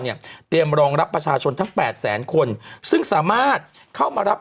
เตรียมรองรับประชาชนทั้งแปดแสนคนซึ่งสามารถเข้ามารับ